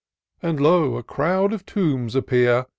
And, lo, a crowd of tombs appear